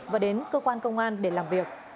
và đến cơ quan công an để làm việc